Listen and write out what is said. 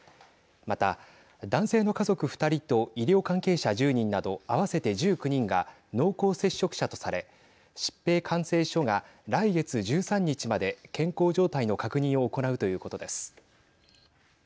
また、男性の家族２人と医療関係者１０人など合わせて１９人が濃厚接触者とされ疾病管制署が来月１３日まで健康状態の確認を行うということです。